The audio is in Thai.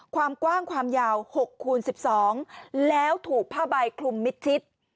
ความกว้างความยาว๖คูณ๑๒แล้วถูกผ้าใบคลุมมิดชิด